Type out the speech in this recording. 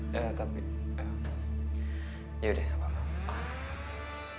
ya tapi ya udah nggak apa apa